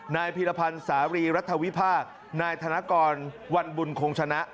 พีรพันธ์สารีรัฐวิพากษ์นายธนกรวันบุญคงชนะ